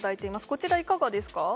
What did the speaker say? こちらいかがですか？